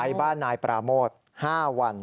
บ้านนายปราโมท๕วัน